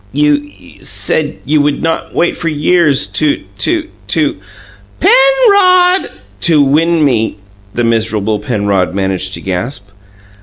"'You you said you would wait for for years to to to to " "PENROD!" "'To win me!'" the miserable Penrod managed to gasp.